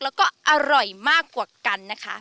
แล้วก็อร่อยมากกว่ากันนะคะ